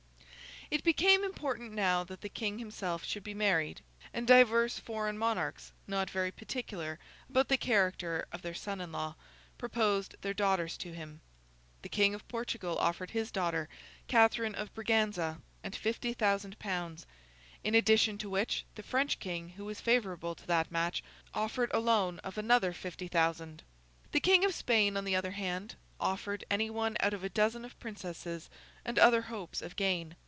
It became important now that the King himself should be married; and divers foreign Monarchs, not very particular about the character of their son in law, proposed their daughters to him. The King of Portugal offered his daughter, Catherine of Braganza, and fifty thousand pounds: in addition to which, the French King, who was favourable to that match, offered a loan of another fifty thousand. The King of Spain, on the other hand, offered any one out of a dozen of Princesses, and other hopes of gain.